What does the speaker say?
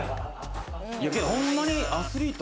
ホンマにアスリート。